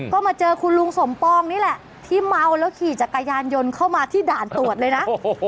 ก็มาเจอคุณลุงสมปองนี่แหละที่เมาแล้วขี่จักรยานยนต์เข้ามาที่ด่านตรวจเลยนะ